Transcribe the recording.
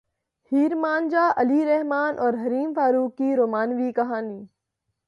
ہیر مان جا علی رحمن اور حریم فاروق کی رومانوی کہانی